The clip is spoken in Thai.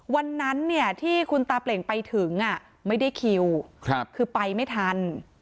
วันนั้นเนี่ยที่คุณตาเปล่งไปถึงไม่ได้คิวคือไปไม่ทัน